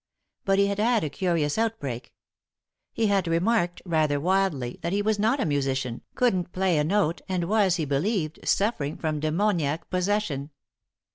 But he had had a curious outbreak. He had remarked, rather wildly, that he was not a musician, couldn't play a note, and was, he believed, suffering from 'demoniac possession.